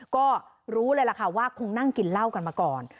ก็รู้เลยล่ะค่ะว่าคงนั่งกินเหล้ากันมาก่อน